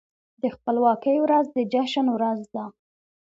د خپلواکۍ ورځ د جشن ورځ ده.